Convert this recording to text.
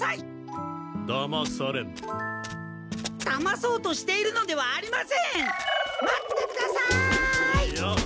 だまそうとしているのではありません！